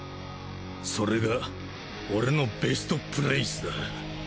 それが俺のベストプレイスだ。